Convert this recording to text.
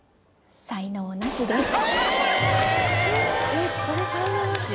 えっこれ才能ナシ？